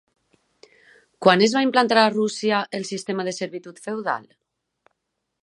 Quan es va implantar a Rússia el sistema de servitud feudal?